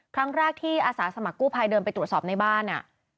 ครั้งแรกที่อาสาสมัครกู้ภัยเดินไปตรวจสอบในบ้าน